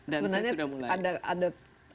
dan saya sudah mulai